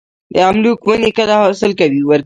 د املوک ونې کله حاصل ورکوي؟